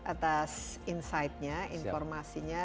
atas insightnya informasinya